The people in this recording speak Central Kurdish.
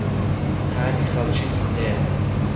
هانی خەڵکی سنەیە